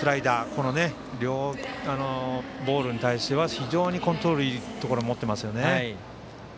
この両ボールに対しては非常にコントロールのいいところを持っていますよね。